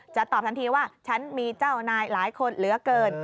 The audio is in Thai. ตอบทันทีว่าฉันมีเจ้านายหลายคนเหลือเกิน